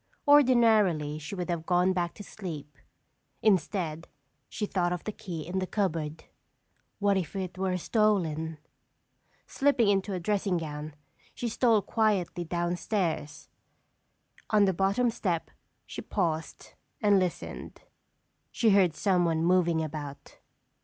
Ordinarily, she would have gone back to sleep. Instead, she thought of the key in the cupboard. What if it were stolen? Slipping into a dressing gown, she stole quietly downstairs. On the bottom step she paused and listened. She heard someone moving about.